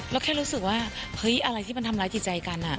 แค่รู้สึกว่าเฮ้ยอะไรที่มันทำร้ายจิตใจกัน